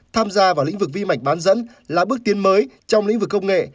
tham gia vào lĩnh vực vi mạch bán dẫn là bước tiến mới trong lĩnh vực công nghệ